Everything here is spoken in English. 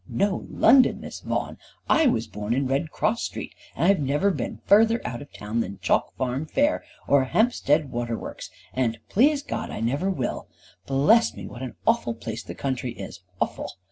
"Know London, Miss Vaughan! I was born in Red Cross Street, and I've never been further out of town than Chalk Farm fair, or Hampstead Waterworks, and, please God, I never will. Bless me, what an awful place the country is, awful!